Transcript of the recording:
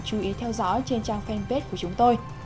chú ý theo dõi trên trang fanpage của chúng tôi